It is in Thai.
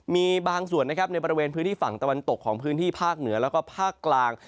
มีบางส่วนนะครับในบริเวณพื้นที่ฝั่งตะวันตกของพื้นที่ภาคเหนือแล้วก็ภาคกลาง